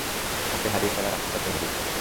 ওকে হারিয়ে ফেলার আশংকা তৈরী হয়েছিল!